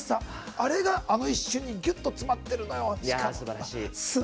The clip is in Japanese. あれが、あの一瞬にぎゅっと詰まってるのよ。